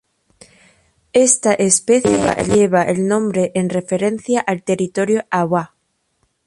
Esta especie lleva el nombre en referencia al territorio Awá.